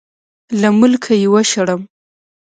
له ملکه یې وشړم.